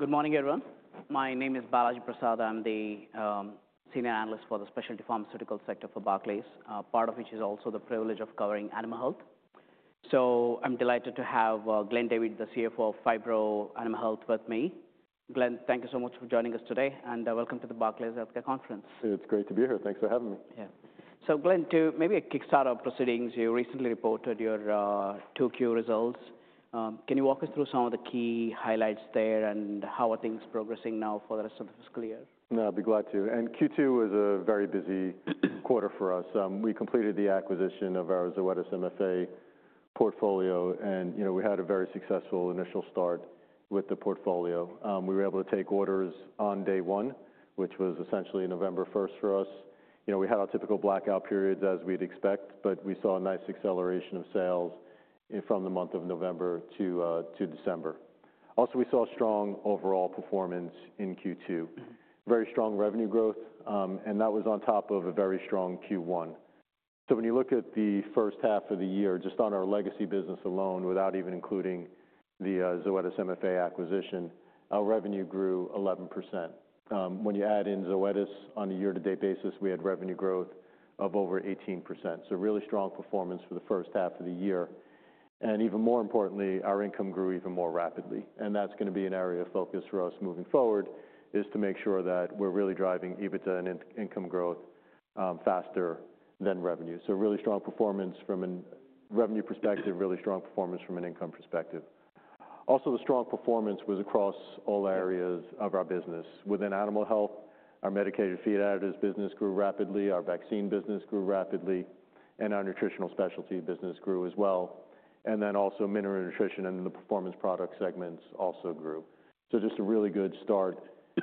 Good morning, everyone. My name is Balaji Prasad. I'm the senior analyst for the specialty Pharmaceutical Sector for Barclays, part of which is also the privilege of covering animal health. I'm delighted to have Glenn David, the CFO of Phibro Animal Health, with me. Glenn, thank you so much for joining us today, and welcome to the Barclays Healthcare Conference. Hey, it's great to be here. Thanks for having me. Yeah. Glenn, to maybe a quick start of proceedings, you recently reported your 2Q results. Can you walk us through some of the key highlights there and how are things progressing now for the rest of the fiscal year? No, I'd be glad to. Q2 was a very busy quarter for us. We completed the acquisition of our Zoetis MFA portfolio, and, you know, we had a very successful initial start with the portfolio. We were able to take orders on day one, which was essentially November 1 for us. You know, we had our typical blackout periods as we'd expect, but we saw a nice acceleration of sales from the month of November to December. Also, we saw strong overall performance in Q2, very strong revenue growth, and that was on top of a very strong Q1. When you look at the first half of the year, just on our legacy business alone, without even including the Zoetis MFA acquisition, our revenue grew 11%. When you add in Zoetis on a year-to-date basis, we had revenue growth of over 18%. Really strong performance for the first half of the year. Even more importantly, our income grew even more rapidly. That's gonna be an area of focus for us moving forward, to make sure that we're really driving EBITDA and income growth faster than revenue. Really strong performance from a revenue perspective, really strong performance from an income perspective. Also, the strong performance was across all areas of our business. Within animal health, our medicated feed additives business grew rapidly, our vaccine business grew rapidly, and our nutritional specialty business grew as well. Mineral nutrition and the performance product segments also grew. Just a really good start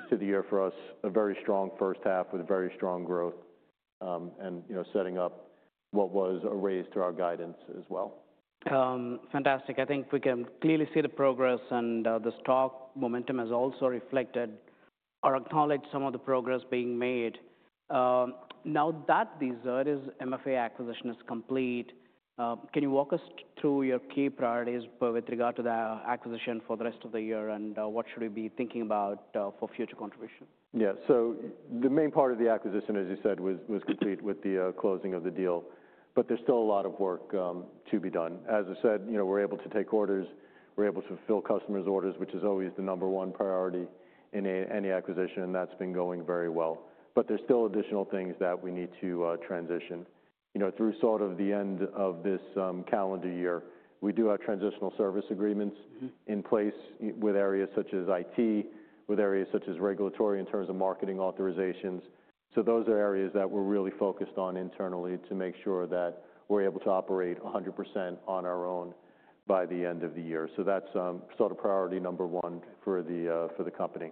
to the year for us, a very strong first half with very strong growth, and, you know, setting up what was a raise to our guidance as well. Fantastic. I think we can clearly see the progress, and the stock momentum has also reflected or acknowledged some of the progress being made. Now that the Zoetis MFA acquisition is complete, can you walk us through your key priorities with regard to the acquisition for the rest of the year and what should we be thinking about for future contribution? Yeah. The main part of the acquisition, as you said, was complete with the closing of the deal, but there's still a lot of work to be done. As I said, you know, we're able to take orders, we're able to fulfill customers' orders, which is always the number one priority in any acquisition, and that's been going very well. There's still additional things that we need to transition. You know, through sort of the end of this calendar year, we do have transitional service agreements. In place with areas such as IT, with areas such as regulatory in terms of marketing authorizations. Those are areas that we're really focused on internally to make sure that we're able to operate 100% on our own by the end of the year. That's, sort of priority number one for the company.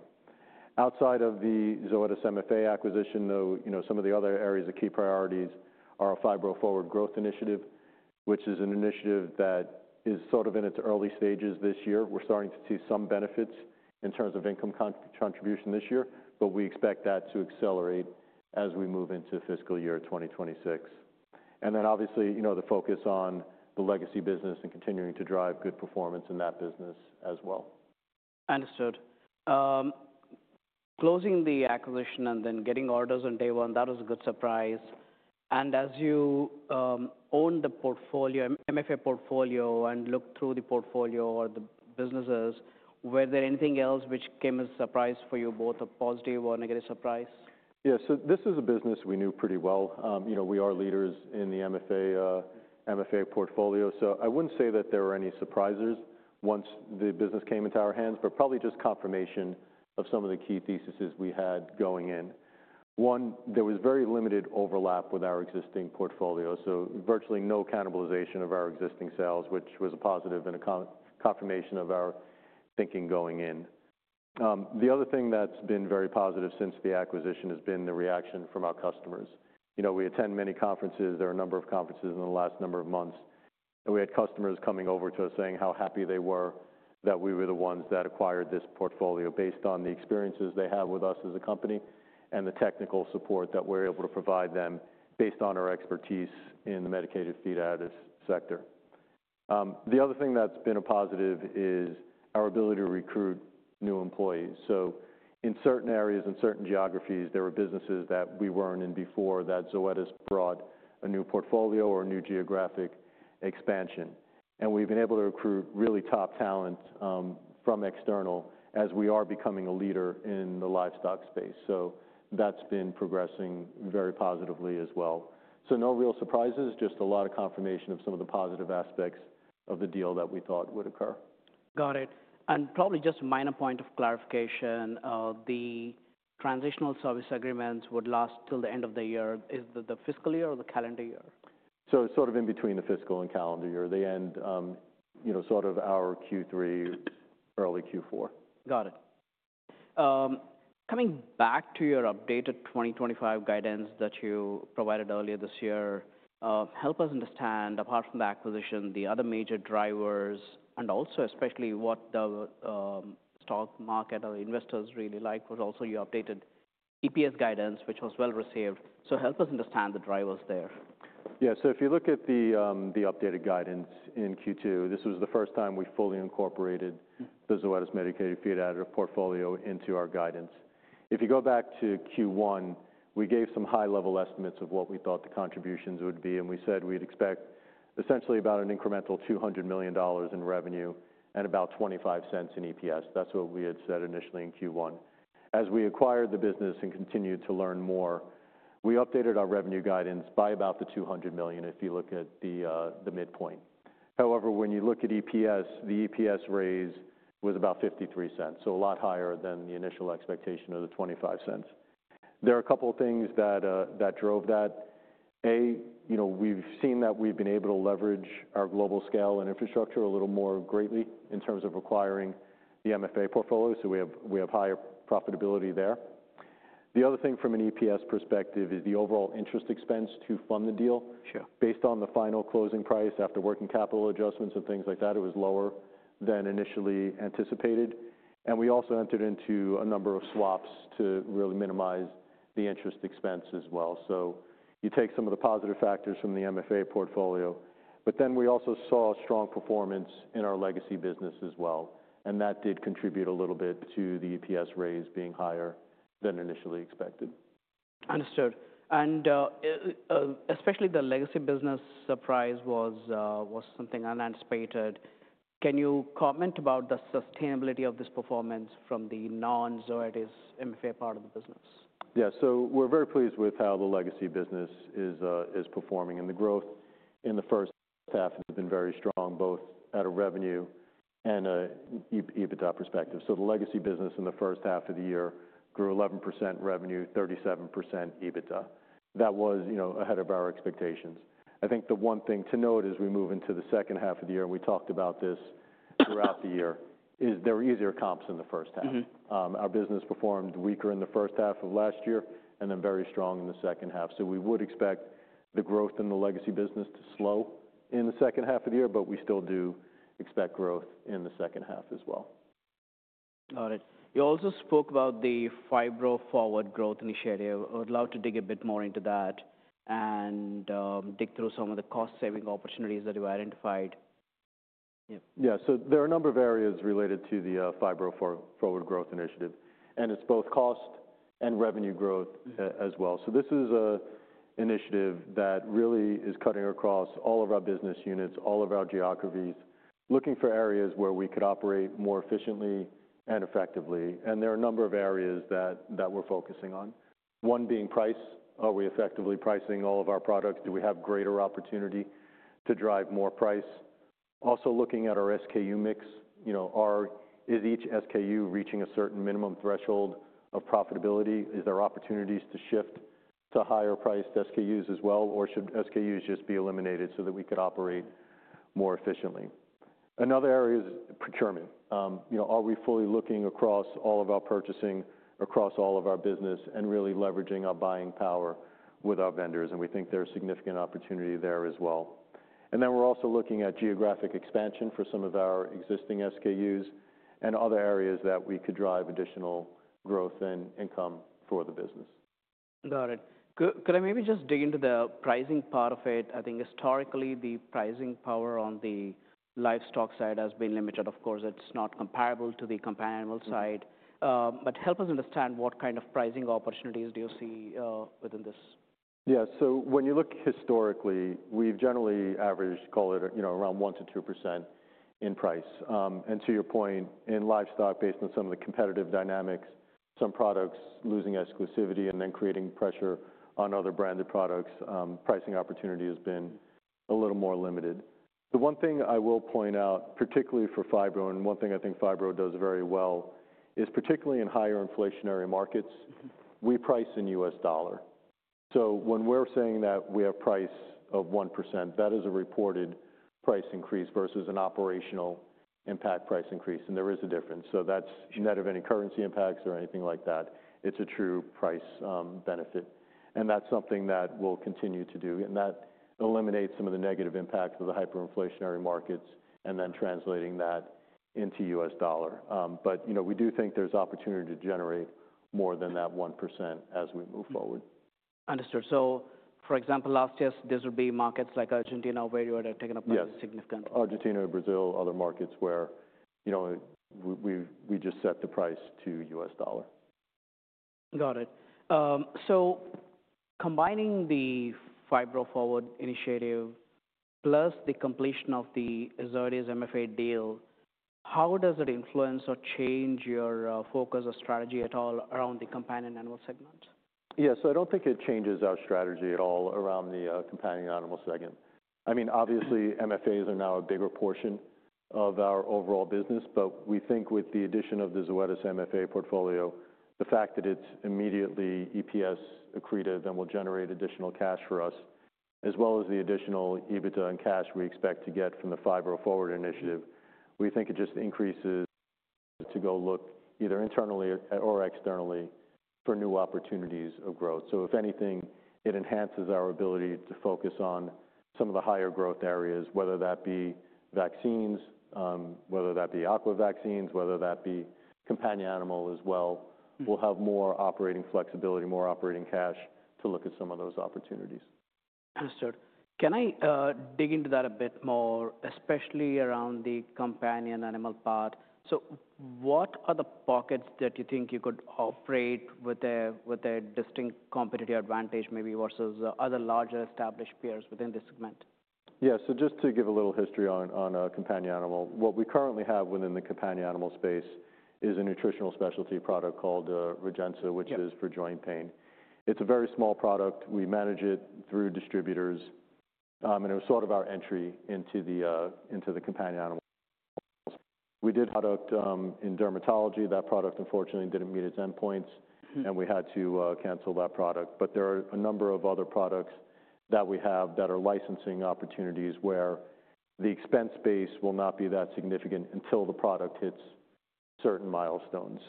Outside of the Zoetis MFA acquisition, though, you know, some of the other areas of key priorities are a Phibro Forward growth initiative, which is an initiative that is sort of in its early stages this year. We're starting to see some benefits in terms of income contribution this year, but we expect that to accelerate as we move into fiscal year 2026. Obviously, you know, the focus on the legacy business and continuing to drive good performance in that business as well. Understood. Closing the acquisition and then getting orders on day one, that was a good surprise. As you own the portfolio, MFA portfolio, and look through the portfolio or the businesses, were there anything else which came as a surprise for you, both a positive or negative surprise? Yeah. This is a business we knew pretty well. You know, we are leaders in the MFA, MFA portfolio. I wouldn't say that there were any surprises once the business came into our hands, but probably just confirmation of some of the key theses we had going in. One, there was very limited overlap with our existing portfolio, so virtually no cannibalization of our existing sales, which was a positive and a confirmation of our thinking going in. The other thing that's been very positive since the acquisition has been the reaction from our customers. You know, we attend many conferences. There are a number of conferences in the last number of months, and we had customers coming over to us saying how happy they were that we were the ones that acquired this portfolio based on the experiences they have with us as a company and the technical support that we're able to provide them based on our expertise in the medicated feed additives sector. The other thing that's been a positive is our ability to recruit new employees. In certain areas, in certain geographies, there were businesses that we weren't in before that Zoetis brought a new portfolio or a new geographic expansion. We have been able to recruit really top talent, from external as we are becoming a leader in the livestock space. That has been progressing very positively as well. No real surprises, just a lot of confirmation of some of the positive aspects of the deal that we thought would occur. Got it. Probably just a minor point of clarification, the transitional service agreements would last till the end of the year. Is that the fiscal year or the calendar year? It's sort of in between the fiscal and calendar year, the end, you know, sort of our Q3, early Q4. Got it. Coming back to your updated 2025 guidance that you provided earlier this year, help us understand, apart from the acquisition, the other major drivers, and also especially what the stock market or investors really like, was also your updated EPS guidance, which was well received. Help us understand the drivers there. Yeah. If you look at the updated guidance in Q2, this was the first time we fully incorporated the Zoetis medicated feed additive portfolio into our guidance. If you go back to Q1, we gave some high-level estimates of what we thought the contributions would be, and we said we'd expect essentially about an incremental $200 million in revenue and about $0.25 in EPS. That's what we had said initially in Q1. As we acquired the business and continued to learn more, we updated our revenue guidance by about the $200 million if you look at the midpoint. However, when you look at EPS, the EPS raise was about $0.53, so a lot higher than the initial expectation of the $0.25. There are a couple of things that drove that. You know, we've seen that we've been able to leverage our global scale and infrastructure a little more greatly in terms of acquiring the MFA portfolio, so we have higher profitability there. The other thing from an EPS perspective is the overall interest expense to fund the deal. Sure. Based on the final closing price after working capital adjustments and things like that, it was lower than initially anticipated. We also entered into a number of swaps to really minimize the interest expense as well. You take some of the positive factors from the MFA portfolio, but then we also saw strong performance in our legacy business as well, and that did contribute a little bit to the EPS raise being higher than initially expected. Understood. Especially the legacy business surprise was something unanticipated. Can you comment about the sustainability of this performance from the non-Zoetis MFA part of the business? Yeah. We're very pleased with how the legacy business is performing, and the growth in the first half has been very strong, both at a revenue and an EBITDA perspective. The legacy business in the first half of the year grew 11% revenue, 37% EBITDA. That was, you know, ahead of our expectations. I think the one thing to note as we move into the second half of the year, and we talked about this throughout the year, is there were easier comps in the first half. Mm-hmm. Our business performed weaker in the first half of last year and then very strong in the second half. We would expect the growth in the legacy business to slow in the second half of the year, but we still do expect growth in the second half as well. Got it. You also spoke about the Phibro Forward growth initiative. I would love to dig a bit more into that and dig through some of the cost-saving opportunities that you identified. Yeah. There are a number of areas related to the Phibro Forward growth initiative, and it is both cost and revenue growth, as well. This is an initiative that really is cutting across all of our business units, all of our geographies, looking for areas where we could operate more efficiently and effectively. There are a number of areas that we are focusing on, one being price. Are we effectively pricing all of our products? Do we have greater opportunity to drive more price? Also looking at our SKU mix, you know, is each SKU reaching a certain minimum threshold of profitability? Is there opportunity to shift to higher-priced SKUs as well, or should SKUs just be eliminated so that we could operate more efficiently? Another area is procurement. You know, are we fully looking across all of our purchasing, across all of our business, and really leveraging our buying power with our vendors? We think there's significant opportunity there as well. We are also looking at geographic expansion for some of our existing SKUs and other areas that we could drive additional growth and income for the business. Got it. Could I maybe just dig into the pricing part of it? I think historically the pricing power on the livestock side has been limited. Of course, it's not comparable to the companion animal side. Help us understand what kind of pricing opportunities do you see, within this. Yeah. So when you look historically, we've generally averaged, call it, you know, around 1% to 2% in price. And to your point, in livestock, based on some of the competitive dynamics, some products losing exclusivity and then creating pressure on other branded products, pricing opportunity has been a little more limited. The one thing I will point out, particularly for Phibro, and one thing I think Phibro does very well is particularly in higher inflationary markets, we price in US dollar. So when we're saying that we have price of 1%, that is a reported price increase versus an operational impact price increase, and there is a difference. So that's net of any currency impacts or anything like that. It's a true price, benefit. That is something that we'll continue to do, and that eliminates some of the negative impacts of the hyperinflationary markets and then translating that into US dollar. But, you know, we do think there's opportunity to generate more than that 1% as we move forward. Understood. For example, last year, these would be markets like Argentina where you had taken a price significant. Yes. Argentina, Brazil, other markets where, you know, we've just set the price to US dollar. Got it. Combining the Phibro Forward Initiative plus the completion of the Zoetis MFA deal, how does it influence or change your focus or strategy at all around the companion animal segment? Yeah. I do not think it changes our strategy at all around the companion animal segment. I mean, obviously, MFAs are now a bigger portion of our overall business, but we think with the addition of the Zoetis MFA portfolio, the fact that it is immediately EPS accretive and will generate additional cash for us, as well as the additional EBITDA and cash we expect to get from the Phibro Forward Initiative, we think it just increases. To go look either internally or externally for new opportunities of growth. If anything, it enhances our ability to focus on some of the higher growth areas, whether that be vaccines, whether that be aqua vaccines, whether that be companion animal as well. We will have more operating flexibility, more operating cash to look at some of those opportunities. Understood. Can I dig into that a bit more, especially around the companion animal part? What are the pockets that you think you could operate with a distinct competitive advantage maybe versus other larger established peers within this segment? Yeah. Just to give a little history on companion animal, what we currently have within the companion animal space is a nutritional specialty product called REGENZA, which is for joint pain. It's a very small product. We manage it through distributors, and it was sort of our entry into the companion animals. We did a product in dermatology. That product, unfortunately, did not meet its endpoints, and we had to cancel that product. There are a number of other products that we have that are licensing opportunities where the expense base will not be that significant until the product hits certain milestones.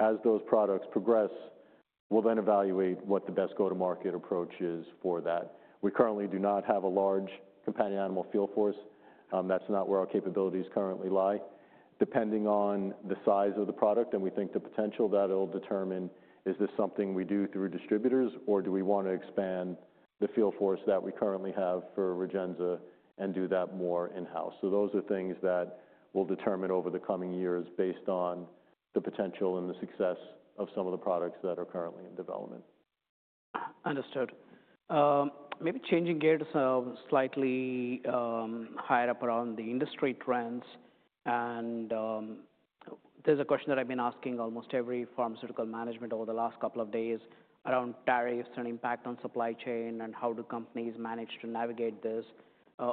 As those products progress, we will then evaluate what the best go-to-market approach is for that. We currently do not have a large companion animal field force. That is not where our capabilities currently lie. Depending on the size of the product and we think the potential, that'll determine is this something we do through distributors, or do we want to expand the field force that we currently have for REGENZA and do that more in-house. Those are things that we'll determine over the coming years based on the potential and the success of some of the products that are currently in development. Understood. Maybe changing gears slightly, higher up around the industry trends. There's a question that I've been asking almost every pharmaceutical management over the last couple of days around tariffs and impact on supply chain and how do companies manage to navigate this.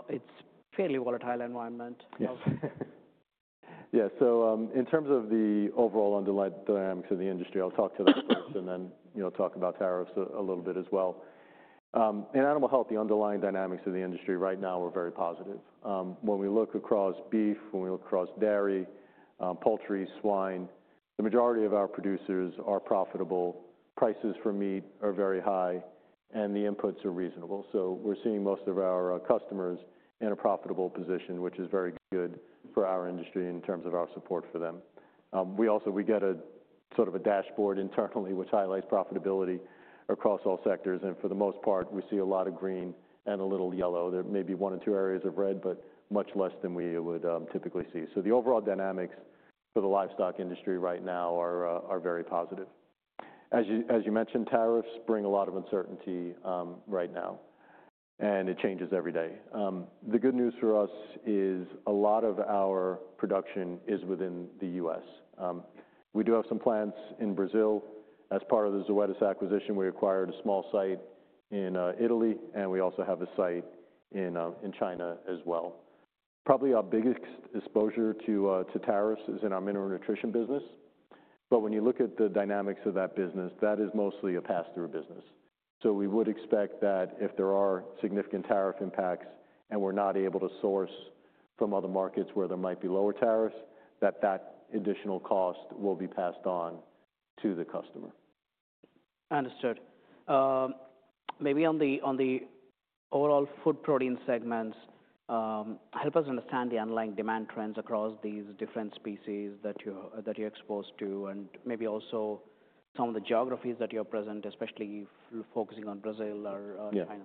It's a fairly volatile environment. Yeah. In terms of the overall underlying dynamics of the industry, I'll talk to that first and then, you know, talk about tariffs a little bit as well. In animal health, the underlying dynamics of the industry right now are very positive. When we look across beef, when we look across dairy, poultry, swine, the majority of our producers are profitable. Prices for meat are very high, and the inputs are reasonable. We are seeing most of our customers in a profitable position, which is very good for our industry in terms of our support for them. We also, we get a sort of a dashboard internally, which highlights profitability across all sectors. For the most part, we see a lot of green and a little yellow. There may be one or two areas of red, but much less than we would typically see. The overall dynamics for the livestock industry right now are very positive. As you mentioned, tariffs bring a lot of uncertainty right now, and it changes every day. The good news for us is a lot of our production is within the U.S. We do have some plants in Brazil. As part of the Zoetis acquisition, we acquired a small site in Italy, and we also have a site in China as well. Probably our biggest exposure to tariffs is in our mineral nutrition business. When you look at the dynamics of that business, that is mostly a pass-through business. We would expect that if there are significant tariff impacts and we are not able to source from other markets where there might be lower tariffs, that additional cost will be passed on to the customer. Understood. Maybe on the, on the overall food protein segments, help us understand the underlying demand trends across these different species that you're, that you're exposed to, and maybe also some of the geographies that you're present, especially focusing on Brazil or, or China.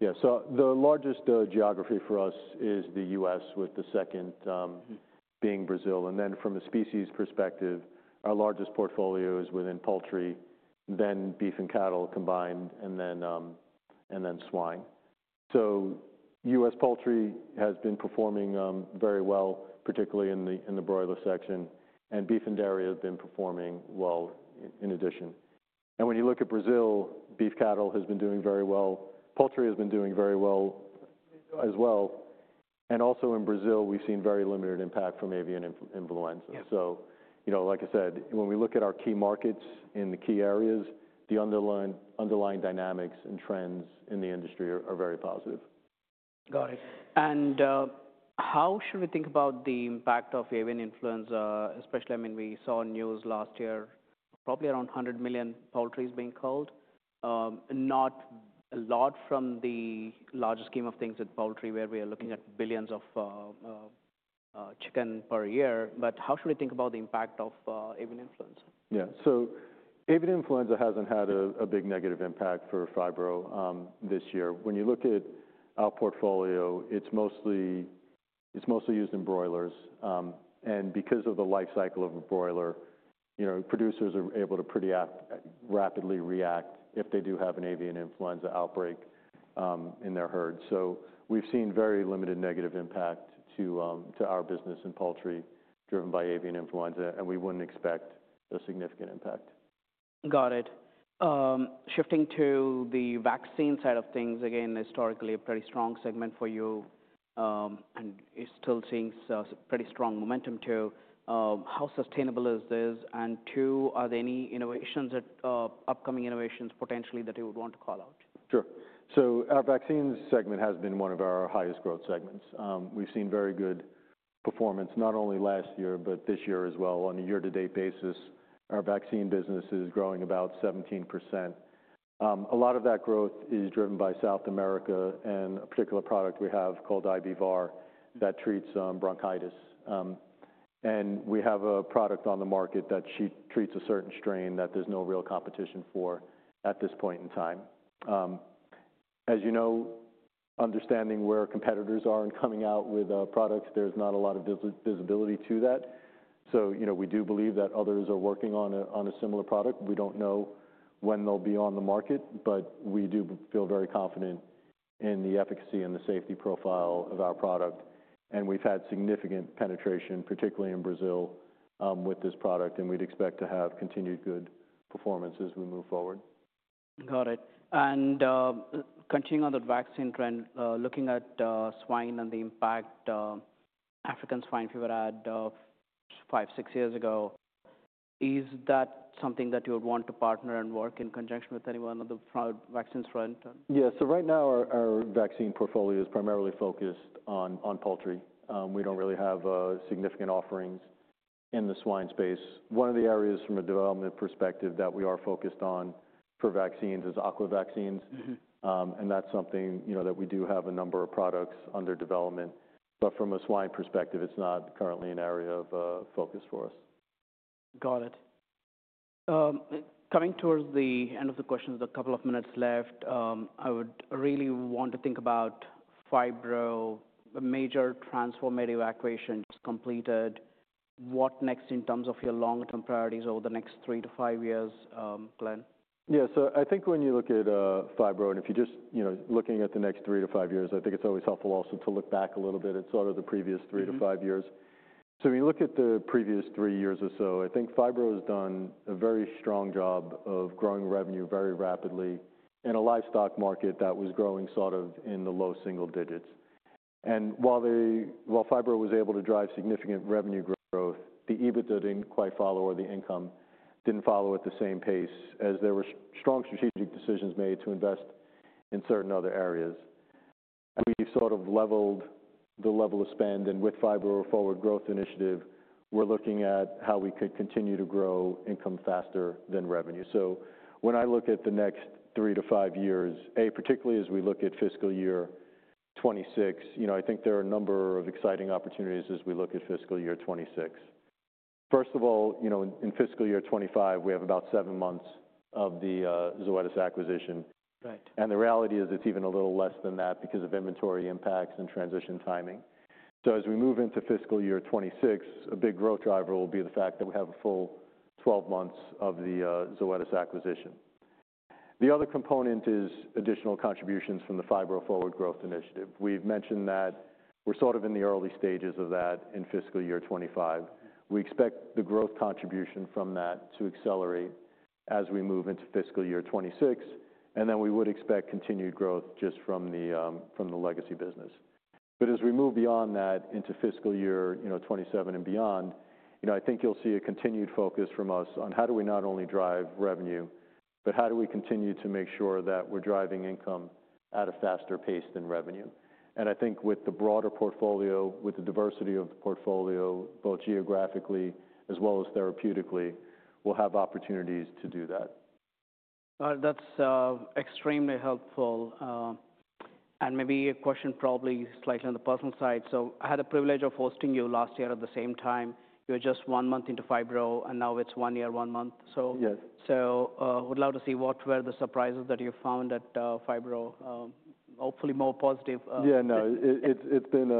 Yeah. Yeah. The largest geography for us is the US, with the second being Brazil. From a species perspective, our largest portfolio is within poultry, then beef and cattle combined, and then swine. US poultry has been performing very well, particularly in the broiler section, and beef and dairy have been performing well in addition. When you look at Brazil, beef cattle has been doing very well. Poultry has been doing very well as well. Also in Brazil, we've seen very limited impact from avian influenza. You know, like I said, when we look at our key markets in the key areas, the underlying dynamics and trends in the industry are very positive. Got it. How should we think about the impact of avian influenza, especially, I mean, we saw news last year, probably around 100 million poultry being culled, not a lot from the larger scheme of things at poultry where we are looking at billions of chicken per year. How should we think about the impact of avian influenza? Yeah. Avian influenza hasn't had a big negative impact for Phibro this year. When you look at our portfolio, it's mostly used in broilers, and because of the life cycle of a broiler, you know, producers are able to pretty rapidly react if they do have an avian influenza outbreak in their herd. We have seen very limited negative impact to our business in poultry driven by avian influenza, and we wouldn't expect a significant impact. Got it. Shifting to the vaccine side of things, again, historically a pretty strong segment for you, and it's still seeing pretty strong momentum too. How sustainable is this? Two, are there any innovations that, upcoming innovations potentially that you would want to call out? Sure. Our vaccine segment has been one of our highest growth segments. We've seen very good performance not only last year, but this year as well. On a year-to-date basis, our vaccine business is growing about 17%. A lot of that growth is driven by South America and a particular product we have called IVVAR that treats bronchitis. We have a product on the market that treats a certain strain that there's no real competition for at this point in time. As you know, understanding where competitors are and coming out with products, there's not a lot of visibility to that. You know, we do believe that others are working on a similar product. We don't know when they'll be on the market, but we do feel very confident in the efficacy and the safety profile of our product. We have had significant penetration, particularly in Brazil, with this product, and we would expect to have continued good performance as we move forward. Got it. Continuing on the vaccine trend, looking at swine and the impact, African swine fever at five, six years ago, is that something that you would want to partner and work in conjunction with anyone on the vaccine front? Yeah. Right now, our vaccine portfolio is primarily focused on poultry. We don't really have significant offerings in the swine space. One of the areas from a development perspective that we are focused on for vaccines is aqua vaccines, and that's something, you know, that we do have a number of products under development. From a swine perspective, it's not currently an area of focus for us. Got it. Coming towards the end of the questions, a couple of minutes left, I would really want to think about Phibro, a major transformative equation just completed. What next in terms of your long-term priorities over the next three to five years, Glenn? Yeah. I think when you look at Phibro, and if you just, you know, looking at the next three to five years, I think it's always helpful also to look back a little bit at sort of the previous three to five years. When you look at the previous three years or so, I think Phibro has done a very strong job of growing revenue very rapidly in a livestock market that was growing sort of in the low single digits. While they, while Phibro was able to drive significant revenue growth, the EBITDA didn't quite follow, or the income didn't follow at the same pace as there were strong strategic decisions made to invest in certain other areas. We've sort of leveled the level of spend, and with Phibro Forward growth initiative, we're looking at how we could continue to grow income faster than revenue. When I look at the next three to five years, particularly as we look at fiscal year 2026, you know, I think there are a number of exciting opportunities as we look at fiscal year 2026. First of all, you know, in fiscal year 2025, we have about seven months of the Zoetis acquisition. Right. The reality is it's even a little less than that because of inventory impacts and transition timing. As we move into fiscal year 2026, a big growth driver will be the fact that we have a full 12 months of the Zoetis acquisition. The other component is additional contributions from the Phibro Forward growth initiative. We've mentioned that we're sort of in the early stages of that in fiscal year 2025. We expect the growth contribution from that to accelerate as we move into fiscal year 2026, and then we would expect continued growth just from the legacy business. As we move beyond that into fiscal year 2027 and beyond, you know, I think you'll see a continued focus from us on how do we not only drive revenue, but how do we continue to make sure that we're driving income at a faster pace than revenue. I think with the broader portfolio, with the diversity of the portfolio, both geographically as well as therapeutically, we'll have opportunities to do that. That's extremely helpful. Maybe a question probably slightly on the personal side. I had the privilege of hosting you last year at the same time. You were just one month into Phibro, and now it's one year, one month. Yes. Would love to see what were the surprises that you found at Phibro, hopefully more positive. Yeah. No, it's been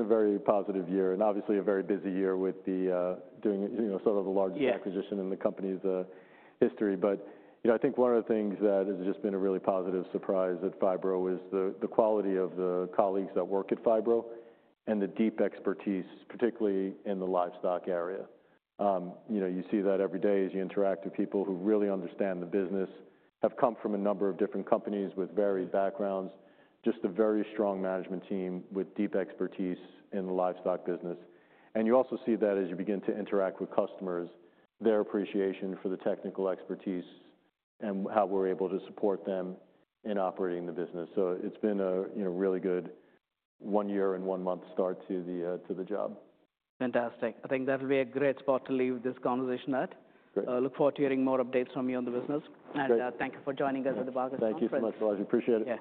a very positive year and obviously a very busy year with doing, you know, sort of the largest acquisition in the company's history. You know, I think one of the things that has just been a really positive surprise at Phibro is the quality of the colleagues that work at Phibro and the deep expertise, particularly in the livestock area. You know, you see that every day as you interact with people who really understand the business, have come from a number of different companies with varied backgrounds, just a very strong management team with deep expertise in the livestock business. You also see that as you begin to interact with customers, their appreciation for the technical expertise and how we're able to support them in operating the business. It's been a, you know, really good one year and one month start to the, to the job. Fantastic. I think that'll be a great spot to leave this conversation at. Great. Look forward to hearing more updates from you on the business. Okay. Thank you for joining us at the Barclays. Thank you so much, Balaji. Appreciate it. Yeah.